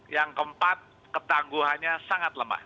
yang keempat ketangguhannya sangat lemah